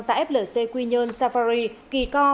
giã flc quy nhơn safari kỳ co